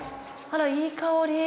あらいい香り！